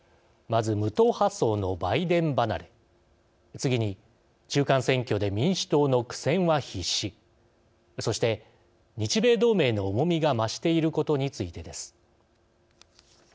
まず無党派層のバイデン離れ次に中間選挙で民主党の苦戦は必至そして日米同盟の重みが増していることについてです。